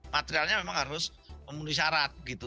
materialnya memang harus memenuhi syarat gitu